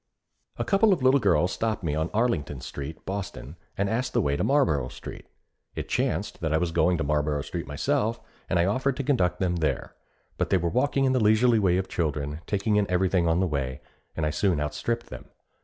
A couple of little girls stopped me on Arlington Street, Boston, and asked the way to Marlboro Street. It chanced that I was going to Marlboro Street myself, and I offered to conduct them there, but they were walking in the leisurely way of children, taking in everything on the way, and I soon outstripped them.